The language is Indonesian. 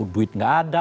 duit gak ada